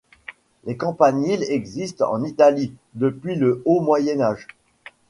Les campaniles existent en Italie depuis le haut Moyen Âge.